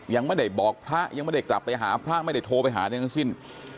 ยังไม่ได้บอกพระยังไม่ได้กลับไปหาพระไม่ได้โทรไปหาได้ทั้งสิ้น